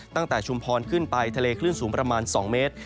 ชุมพรขึ้นไปทะเลคลื่นสูงประมาณ๒เมตร